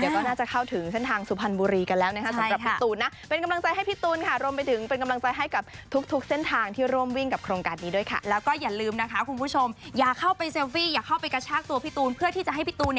เดี๋ยวค้อน่าจะเข้าถึงเส้นทางสุพรรณบุรีกันแล้วนะใช่ค่ะตัวน่ะเป็นกำลังใจให้พี่ตูนครับ